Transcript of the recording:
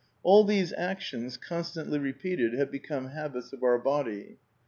All these actions, constantly repeated, have become habits of our body.